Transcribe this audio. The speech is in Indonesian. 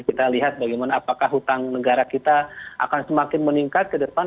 kita lihat bagaimana apakah hutang negara kita akan semakin meningkat ke depan